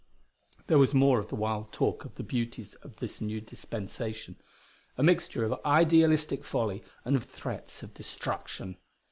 There was more of the wild talk of the beauties of this new dispensation a mixture of idealistic folly and of threats of destruction.